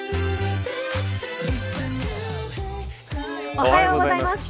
おはようございます。